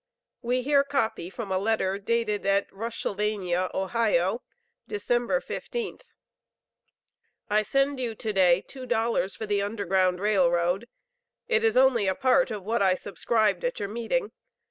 We here copy from a letter dated at Rushsylvania, Ohio, Dec. 15th: "I send you to day two dollars for the Underground Rail Road. It is only a part of what I subscribed at your meeting.